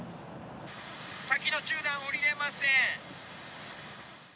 「滝の中段下りれません」。